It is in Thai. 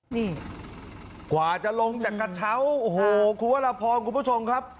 นี่กว่าจะลงจากกระเช้าโอ้โหคุณวรพรคุณผู้ชมครับ